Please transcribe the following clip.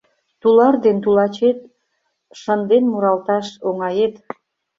Тулар ден тулачет шынден муралташ оҥает.